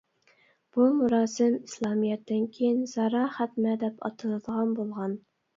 بۇ مۇراسىم ئىسلامىيەتتىن كېيىن «زاراخەتمە» دەپ ئاتىلىدىغان بولغان.